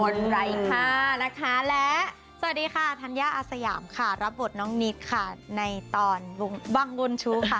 และสวัสดีค่ะธัญญาอสยามค่ะรับบทน้องนิทค่ะในตอนวงวนชูขา